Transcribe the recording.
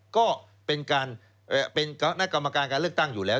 ก็เป็นการเป็นคณะกรรมการการเลือกตั้งอยู่แล้ว